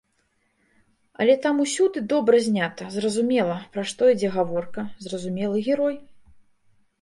Але там усюды добра знята, зразумела, пра што ідзе гаворка, зразумелы герой.